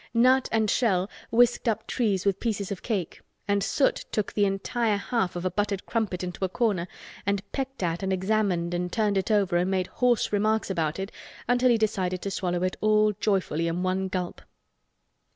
Nut and Shell whisked up trees with pieces of cake and Soot took the entire half of a buttered crumpet into a corner and pecked at and examined and turned it over and made hoarse remarks about it until he decided to swallow it all joyfully in one gulp.